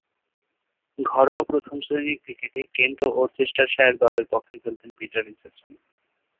ঘরোয়া প্রথম-শ্রেণীর ক্রিকেটে কেন্ট ও ওরচেস্টারশায়ার দলের পক্ষে খেলতেন পিটার রিচার্ডসন।